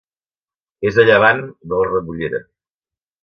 És a llevant de la Rebollera.